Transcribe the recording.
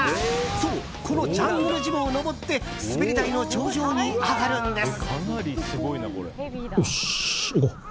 そうこのジャングルジムを登って滑り台の頂上に上がるんです。